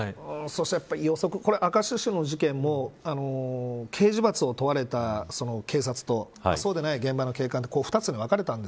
明石市の事件も刑事罰を問われた警察とそうでない現場の警官と２つで分かれました。